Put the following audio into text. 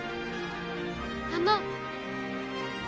あの。